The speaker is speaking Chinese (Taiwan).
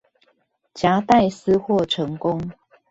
夾帶私貨成功